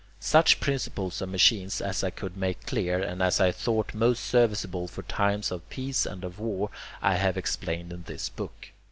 Such principles of machines as I could make clear, and as I thought most serviceable for times of peace and of war, I have explained in this book.